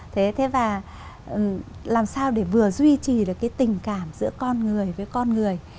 thế và làm sao để vừa duy trì được cái tình cảm giữa con người với con người